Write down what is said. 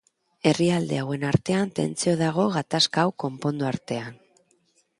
Herrialde hauen artean tentsioa dago gatazka hau konpondu artean.